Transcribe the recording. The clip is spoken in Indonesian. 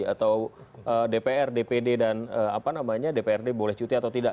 atau dpr dpd dan dprd boleh cuti atau tidak